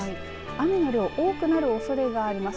雨の量を多くなるおそれがあります。